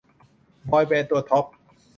บอยแบนด์ตัวท็อป